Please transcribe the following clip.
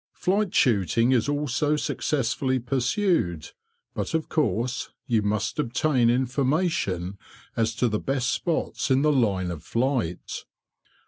Flight shooting is also successfully pursued, but of course you must obtain information as to the best spots in the line of flight.